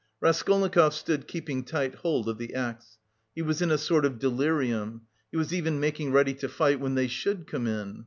Raskolnikov stood keeping tight hold of the axe. He was in a sort of delirium. He was even making ready to fight when they should come in.